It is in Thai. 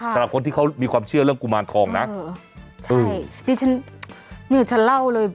ค่ะแต่ละคนที่เขามีความเชื่อเรื่องกุมารของนะเออใช่ดิฉันเนี่ยฉันเล่าเลย